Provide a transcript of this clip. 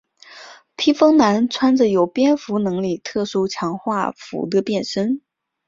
披风男穿着有蝙蝠能力特殊强化服的变身。